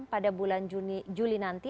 pada bulan juli nanti